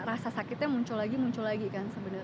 rasa sakitnya muncul lagi muncul lagi kan sebenarnya